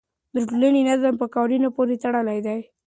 د ټولنې نظم په قوانینو پورې تړلی دی.